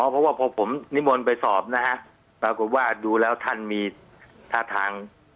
เพราะว่าพอผมนิมนต์ไปสอบนะฮะปรากฏว่าดูแล้วท่านมีท่าทาง